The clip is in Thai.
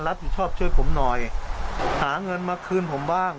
รถเสียบ้าง